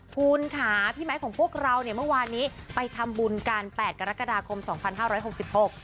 คุณค่ะพี่ไม้ของพวกเราเนี่ยเมื่อวานนี้ไปทำบุญกันแปดกรกฎาคมสองพันห้าร้อยหกสิบหก